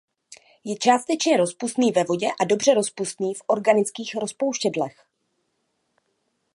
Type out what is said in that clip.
Je částečně rozpustný ve vodě a dobře rozpustný v organických rozpouštědlech.